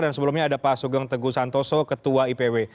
dan sebelumnya ada pak sugeng teguh santoso ketua ipw